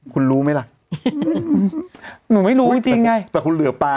คุณรู้ไหมล่ะหนูไม่รู้จริงจริงไงแต่คุณเหลือปลา